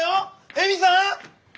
恵美さん？